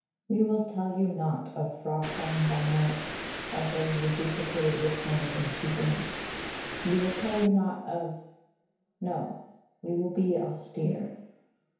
We will tell you naught of frog song by night, of those reduplicated whistlings and peepings. We will tell you naught of.... No, we will be austere.